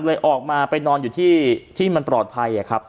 เลยออกมาไปนอนที่มันตลอดภัย